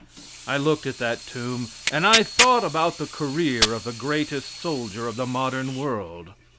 I looked at that tomb, and I thought about the career of the greatest soldier of the modern world.